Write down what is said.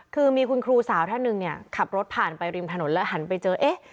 คือมีคุณครูสาวท่านหนึ่งเนี่ยขับรถผ่านไปริมถนนแล้วหันไปเจอเอ๊ะ